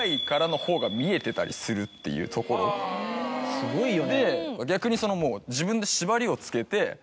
すごいよね。